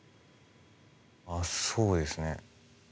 あっそうですね。